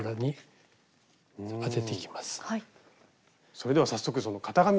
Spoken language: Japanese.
それでは早速その型紙作り。